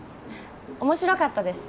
面白かったです